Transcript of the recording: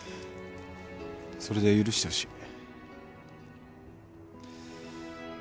それで許してほしい。